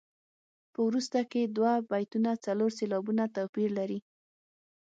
په وروسته کې دوه بیتونه څلور سېلابه توپیر لري.